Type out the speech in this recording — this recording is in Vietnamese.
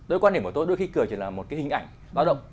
đối với quan điểm của tôi đôi khi cười chỉ là một cái hình ảnh lao động